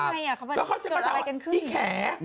แล้วเค้าจะบอกมียีแคร์